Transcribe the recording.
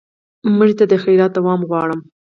مړه ته د خیرات دوام غواړو